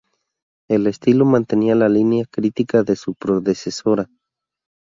El estilo mantenía la línea crítica de su predecesora.